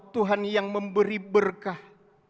tuhan yang memberi berkah